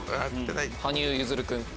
羽生結弦君。